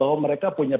kalau mereka punya